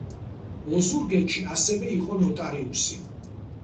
ოზურგეთში ასევე იყო ნოტარიუსი.